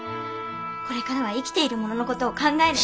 これからは生きている者の事を考えねば。